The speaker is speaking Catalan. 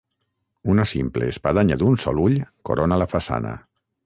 Una simple espadanya d'un sol ull corona la façana.